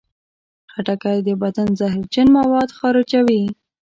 خټکی د بدن زهرجن مواد خارجوي.